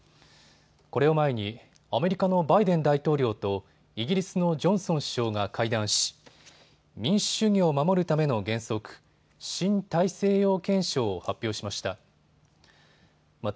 これを前にアメリカのバイデン大統領とイギリスのジョンソン首相が会談し、民主主義を守るための原則、新大西洋憲章を発表しました。